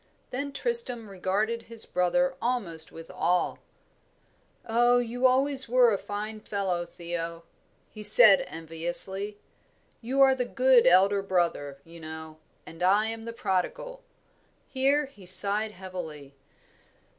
Then Tristram regarded his brother almost with awe. "Oh, you were always a fine fellow, Theo," he said, enviously. "You are the good elder brother, you know, and I am the prodigal." Here he sighed heavily.